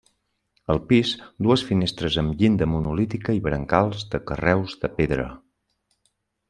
Al pis, dues finestres amb llinda monolítica i brancals de carreus de pedra.